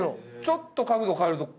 ちょっと角度変えると。